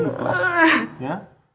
tidak ada yang meminta